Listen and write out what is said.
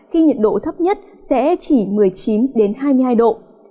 khi nhiệt độ thấp nhất sẽ chỉ một mươi chín hai mươi hai độ